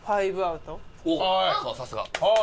さすが！